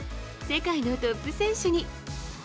世界のトップ選手に。